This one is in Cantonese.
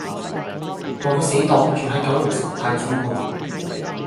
我個死黨住喺九龍城太子匯